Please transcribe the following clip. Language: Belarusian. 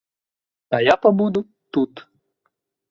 А я пабуду тут.